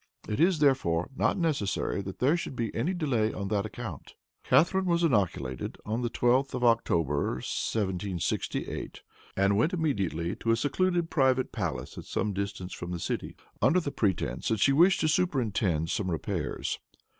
It is, therefore, not necessary that there should be any delay on that account." Catharine was inoculated on the 12th of October, 1768, and went immediately to a secluded private palace at some distance from the city, under the pretense that she wished to superintend some repairs.